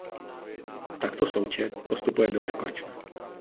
Takto součet postupuje do nekonečna.